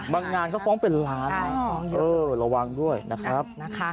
บางงานเขาฟ้องเป็นล้านระวังด้วยนะครับ